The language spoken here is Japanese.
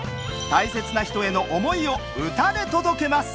大切な人への思いを歌で届けます。